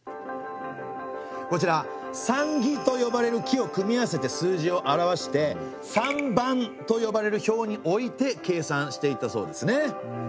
こちら算木と呼ばれる木を組み合わせて数字を表して算盤と呼ばれる表に置いて計算していたそうですね。